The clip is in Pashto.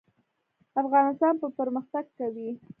افغانستان به پرمختګ کوي